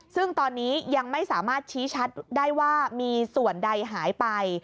ซึ่งตอนนี้ยังไม่สามารถชี้ชัดได้ว่ามีส่วนใดหายไป